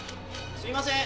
すみません